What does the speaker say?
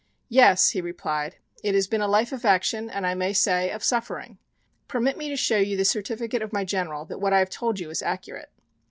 "Yes," he replied, "it has been a life of action and I may say of suffering. Permit me to show you the certificate of my general that what I have told you is accurate."